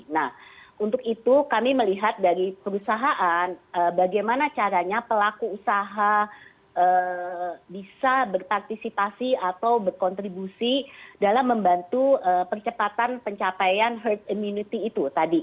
nah untuk itu kami melihat dari perusahaan bagaimana caranya pelaku usaha bisa berpartisipasi atau berkontribusi dalam membantu percepatan pencapaian herd immunity itu tadi